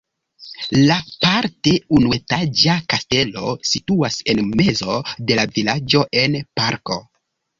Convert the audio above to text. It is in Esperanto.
La parte unuetaĝa kastelo situas en mezo de la vilaĝo en parko.